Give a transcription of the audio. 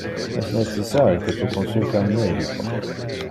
Es necessari que tu consulta un medico.